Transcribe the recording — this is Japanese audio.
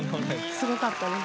すごかったです。